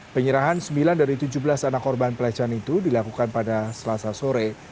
penyerahan sembilan dari tujuh belas anak korban pelecehan itu dilakukan pada selasa sore